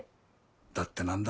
だって何ら。